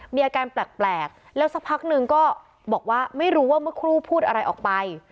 มีอาการแปลกแล้วสักพักนึงก็บอกว่าไม่รู้ว่าเมื่อครูพูดอะไรออกไป